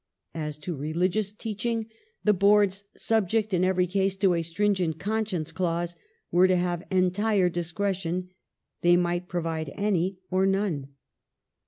As to religious teaching the Boards — subject in every case to a stringent conscience clause — were to have entire discretion ; they might provide any or none.